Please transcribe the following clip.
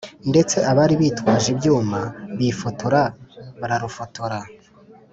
ndetse abari bitwaje ibyuma bifotora bararufotora